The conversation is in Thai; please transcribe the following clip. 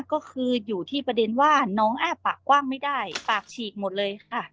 ก็คืออยู่ที่ประเด็นว่าน้องอ้าปากกว้างไม่ได้ปากฉีกหมดเลยค่ะ